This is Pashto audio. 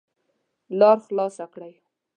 لار خلاصه کړئ